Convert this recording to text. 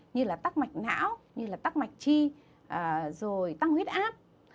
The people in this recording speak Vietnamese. như là tắc mạch não như là tắc mạch chi rồi tăng huyết áp